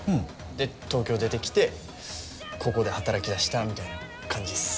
で東京出てきてここで働きだしたみたいな感じっす。